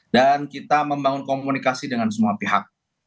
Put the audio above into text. dan kita membangun komunikasi dengan semua pihak